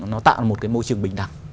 nó tạo một cái môi trường bình đẳng